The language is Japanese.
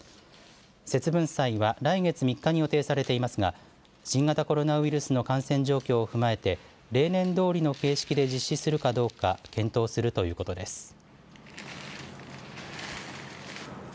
節分祭は来月３日に予定されていますが新型コロナウイルスの感染状況を踏まえて例年どおりの形式で実施するかどうか検討するということです。